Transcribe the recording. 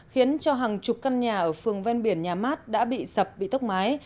khiến cho hàng chục căn nhà ở phường ven biển nhà mát đã bị sập bị tốc mái